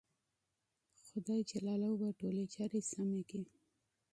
خدای به ټولې چارې ښې کړې